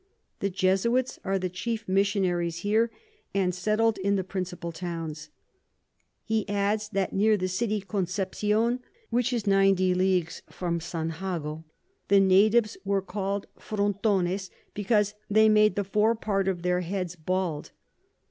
The Jesuits are the chief Missionaries here, and settled in the principal Towns. He adds, that near the City Conception, which is ninety Leagues from St. Jago, the Natives were call'd Frontones, because they made the Fore part of their Heads bald.